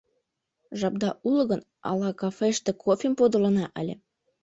— Жапда уло гын, ала кафеште кофем подылына ыле?